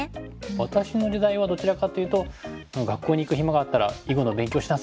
私の時代はどちらかというと「学校に行く暇があったら囲碁の勉強しなさい！」